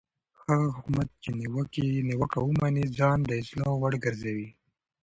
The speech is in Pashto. هغه حکومت چې نیوکه ومني ځان د اصلاح وړ ګرځوي